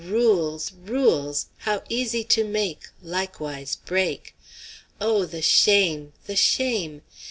rules, rules! how easy to make, likewise break! Oh! the shame, the shame!